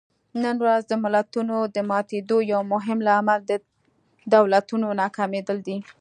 نن ورځ د ملتونو د ماتېدو یو مهم لامل د دولتونو ناکامېدل دي.